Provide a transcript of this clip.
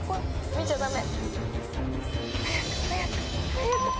見ちゃダメ。